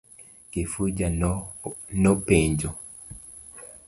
Kifuja no penjo.